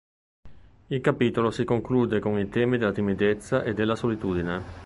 Il capitolo si conclude con i temi della timidezza e della solitudine.